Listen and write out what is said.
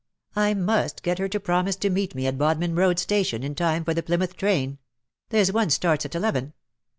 I must get her to promise to meet me at Bodmin Road Station in time for the Plymouth train — there^s one starts at eleven.